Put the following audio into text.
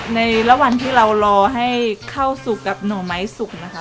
ในระหว่างวันที่เรารอให้ข้าวสุกกับหน่อไม้สุกนะคะ